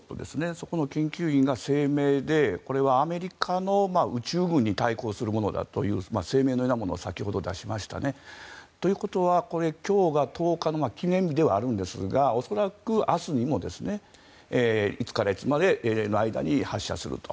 そこの研究員が声明でこれはアメリカの宇宙軍に対抗するものだという声明のようなものを先ほど出しましたね。ということは、今日が１０日の記念日ではあるんですが恐らく明日にもいつからいつまでの間に発射すると。